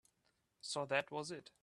So that was it.